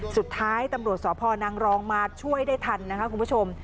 สุดท้ายตำรวจสพนางรองมาช่วยได้ทันนะคะคุณผู้ชม